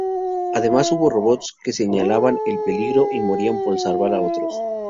Además, hubo robots que señalaban el peligro y morían por salvar a otros.